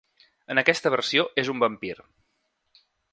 En aquesta versió és un vampir.